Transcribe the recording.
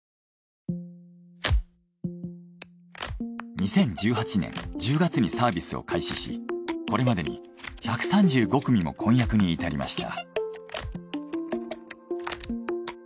２０１８年１０月にサービスを開始しこれまでに１３５組も婚約に至りました。